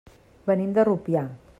Venim de Rupià.